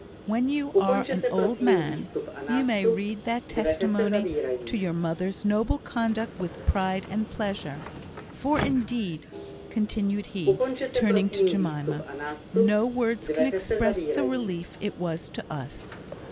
when you are an old man, you may read that testimony to your mother's noble conduct with pride and pleasure. For, indeed," continued he, turning to Jemima, "no words can express the relief it was to us.